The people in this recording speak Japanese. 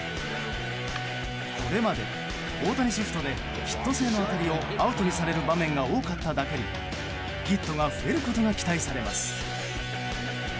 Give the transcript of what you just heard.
これまで大谷シフトでヒット性の当たりをアウトにされる場面が多かっただけにヒットが増えることが期待されます。